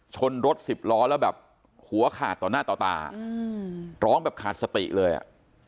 ชนรถสิบล้อแล้วแบบหัวขาดต่อหน้าต่อตาอืมร้องแบบขาดสติเลยอ่ะ